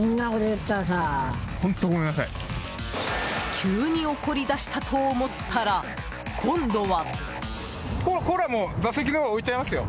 急に怒り出したと思ったら今度は。